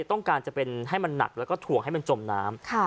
ต้องการจะเป็นให้มันหนักแล้วก็ถ่วงให้มันจมน้ำ